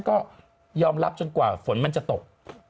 ก็ยอมรับจนกว่าฝนมันจะตก